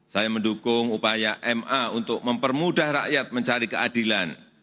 saya mendukung upaya ma untuk mempermudah rakyat mencari keadilan